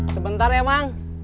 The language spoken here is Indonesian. sebentar ya mang